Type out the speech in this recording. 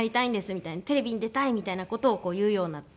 みたいな「テレビに出たい」みたいな事を言うようになって。